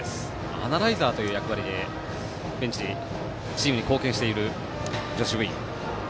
アナライザーという役割でベンチチームに貢献している女子部員。